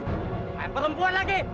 lain perempuan lagi